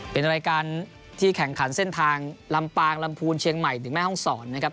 เป็นรายการที่แข่งขันเส้นทางลำปางลำพูนเชียงใหม่ถึงแม่ห้องศรนะครับ